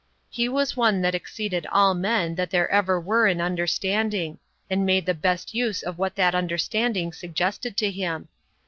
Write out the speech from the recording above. He was one that exceeded all men that ever were in understanding, and made the best use of what that understanding suggested to him.